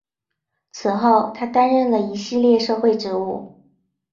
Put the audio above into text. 此后他担任了一系列社会职务。